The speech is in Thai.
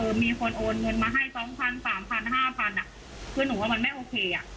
คือมีคนโอนเงินมาให้สองพันสามพันห้าพันอ่ะคือหนูว่ามันไม่โอเคอ่ะ